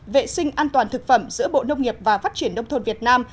vệ sinh an toàn thực phẩm giữa bộ nông nghiệp và phát triển nông thôn việt nam